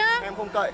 em không cậy